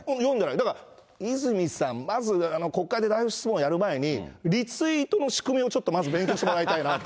だから泉さん、まずみなみで代表質問やる前にリツイートの仕組みをちょっとまず勉強してもらいたいなと。